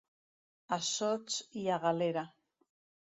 Assots i a galera.